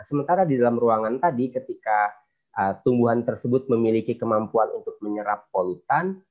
sementara di dalam ruangan tadi ketika tumbuhan tersebut memiliki kemampuan untuk menyerap polutan